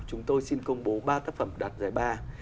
chúng tôi xin công bố ba tác phẩm đạt giải ba